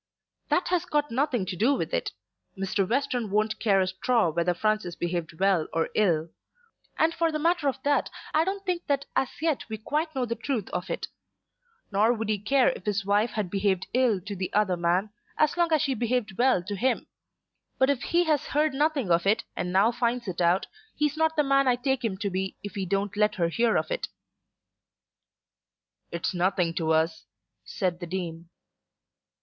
"That has got nothing to do with it. Mr. Western won't care a straw whether Francis behaved well or ill. And for the matter of that I don't think that as yet we quite know the truth of it. Nor would he care if his wife had behaved ill to the other man, so long as she behaved well to him. But if he has heard nothing of it and now finds it out, he's not the man I take him to be if he don't let her hear of it." "It's nothing to us," said the Dean.